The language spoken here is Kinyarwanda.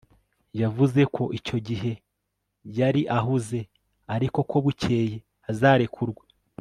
yavuze ko icyo gihe yari ahuze, ariko ko bukeye azarekurwa